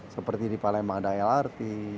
seperti di palembang ada lrt